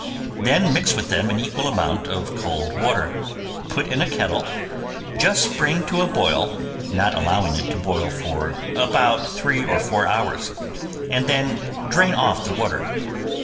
Then mix with them an equal amount of cold water, put in a kettle, just bring to a boil, not allowing it to boil for about three or four hours, and then drain off the water.